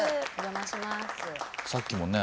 さっきもね